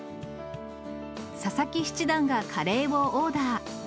佐々木七段がカレーをオーダー。